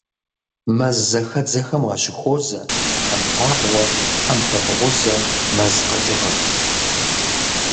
Мэззэхэдзэхэм уащыхуозэ тхьэмпабгъуэ, тхьэмпэ бгъузэ мэз къэкӀыгъэхэм.